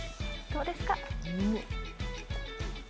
どうですか？